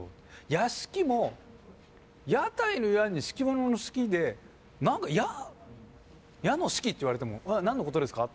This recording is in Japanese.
「屋敷」も「屋台」の「屋」に「敷物」の「敷」で何か「屋」の「敷」っていわれても何のことですか？